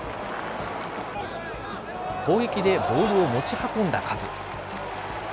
攻撃でボールを持ち運んだ数。